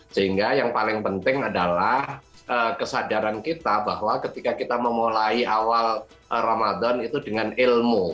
sehingga yang paling penting adalah kesadaran kita bahwa ketika kita memulai awal ramadan itu dengan ilmu